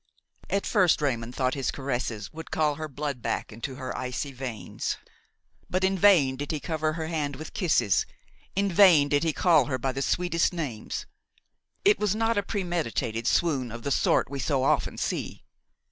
At first Raymon thought that his caresses would call her blood back into her icy veins; but in vain did he cover her hand with kisses; in vain did he call her by the sweetest names. It was not a premeditated swoon of the sort we so often see.